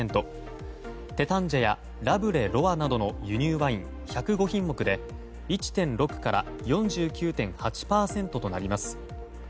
テタンジェやラブレ・ロワなどの輸入ワイン１０５品目で１．６から４９．８％となります。